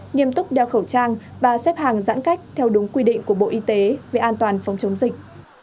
nghiêm túc đeo khẩu trang và xếp hàng giãn cách theo đúng quy định của bộ y tế về an toàn phòng chống dịch